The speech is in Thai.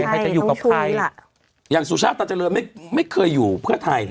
ใครจะอยู่กับใครล่ะอย่างสุชาติตันเจริญไม่ไม่เคยอยู่เพื่อไทย